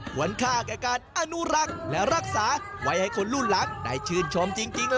ควรค่าแก่การอนุรักษ์และรักษาไว้ให้คนรุ่นหลังได้ชื่นชมจริง